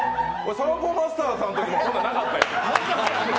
サンボマスターさんのときもこんなのなかったよ。